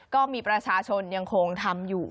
ก็มีประชาชนยังคงทำอยู่